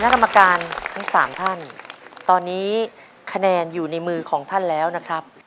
กรรมการทั้งสามท่านตอนนี้คะแนนอยู่ในมือของท่านแล้วนะครับ